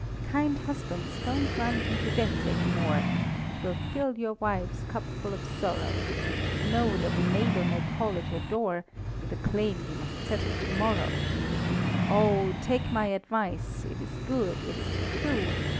Kind husbands, don't run into debt any more; 'Twill fill your wives' cup full of sorrow To know that a neighbour may call at your door, With a claim you must settle to morrow Oh! take my advice it is good, it is true!